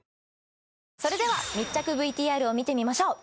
それでは密着ＶＴＲを見てみましょう。